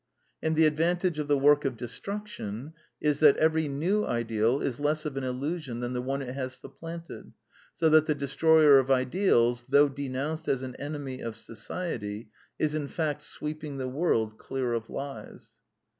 " And the advantage of the work of destruction is that every new ideal is less of an illusion than the one it has sup planted; so that the destroyer of ideals, though denounced as an enemy of society, is in 'fact sweeping the world clear of lies.